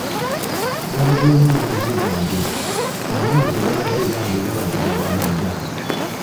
Mumazeemu amazzi gange, amazzi tegabadde gange gabadde ga Wamugga.